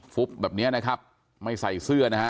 ฟุบแบบเนี้ยนะครับไม่ใส่เสื้อนะฮะ